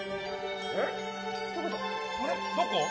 どこ？